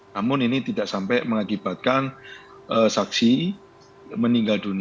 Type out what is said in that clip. namun ini tidak sampai mengakibatkan saksi meninggal